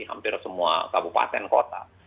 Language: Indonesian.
hampir semua kabupaten kota